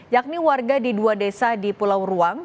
yakni warga di dua desa di pulau ruang